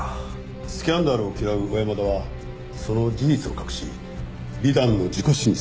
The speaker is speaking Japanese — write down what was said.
スキャンダルを嫌う小山田はその事実を隠し美談の事故死にすり替えた。